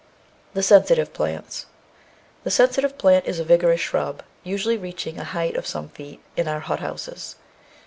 7 Sensitive Plants The Sensitive Plant is a vigorous shrub, usually reaching a height of some feet in our hot houses.